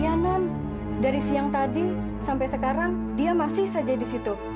layanan dari siang tadi sampai sekarang dia masih saja di situ